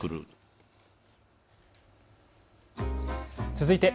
続いて＃